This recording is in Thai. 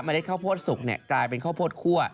เล็ดข้าวโพดสุกกลายเป็นข้าวโพดคั่ว